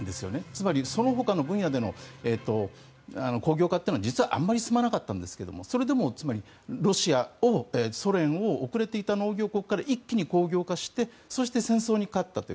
つまり、そのほかの分野での工業化というのは実はあんまり進まなかったんですがそれでもロシアを、ソ連を遅れていた農業国から一気に工業化してそして戦争に勝ったと。